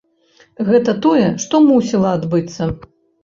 Гэта тое, што мусіла адбыцца.